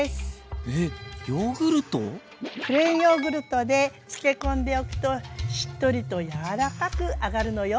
プレーンヨーグルトでつけ込んでおくとしっとりと柔らかくあがるのよ。